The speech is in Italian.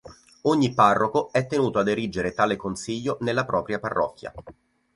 Ogni parroco è tenuto ad erigere tale Consiglio nella propria parrocchia.